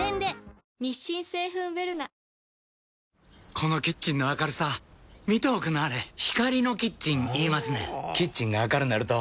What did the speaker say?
このキッチンの明るさ見ておくんなはれ光のキッチン言いますねんほぉキッチンが明るなると・・・